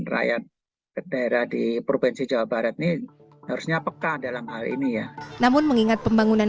rakyat ke daerah di provinsi jawa barat ini harusnya peka dalam hal ini ya namun mengingat pembangunan